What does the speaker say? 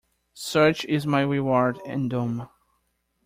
Such is my reward and doom.